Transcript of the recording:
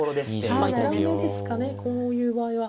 まあ一段目ですかねこういう場合は。